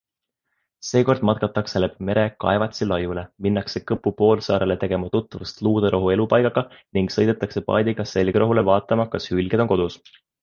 Seekord matkatakse läbi mere Kaevatsi laiule, minnakse Kõpu poolsaarele tegema tutvust luuderohu elupaigaga ning sõidetakse paadiga Selgrahule vaatama, kas hülged on kodus.